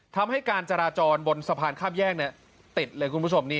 ทำให้การจราจรบนสะพานข้ามแยกติดเลยคุณผู้ชม